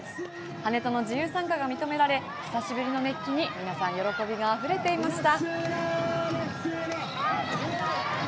跳人の自由参加が認められ久しぶりの熱気に皆さん喜びがあふれていました。